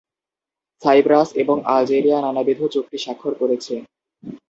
Cypress এবং Algeria নানাবিধ চুক্তি স্বাক্ষর করেছে।